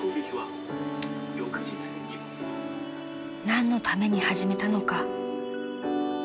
［何のために始めたのか］